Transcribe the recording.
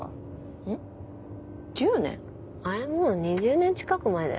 あれもう２０年近く前だよ。